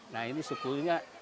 nah ini suhunya